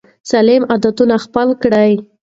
سالم عادتونه خپل کړئ.